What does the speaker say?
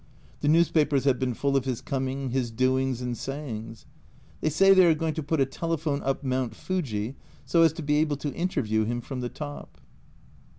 The newspapers have been full of his coming, his doings, and sayings. They say they are going to put a telephone up Mount Fuji, so as to be able to interview him from the top